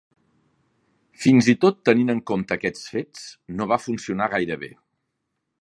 Fins i tot tenint en compte aquests fets, no va funcionar gaire bé.